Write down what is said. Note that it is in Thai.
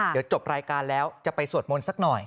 เดี๋ยวจบรายการแล้วจะไปสวดมนต์สักหน่อย